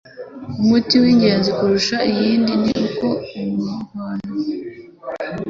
umuti w’ingenzi kurusha iyindi ni uko umurwayi